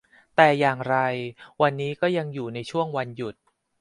แต่อย่างไรวันนี้ก็ยังอยู่ในช่วงวันหยุด